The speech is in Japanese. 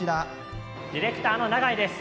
ディレクターの永井です。